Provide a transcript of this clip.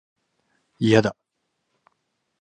いやだ